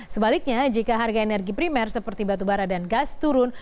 sebaliknya jika harga energi primer seperti batubara dan gas turun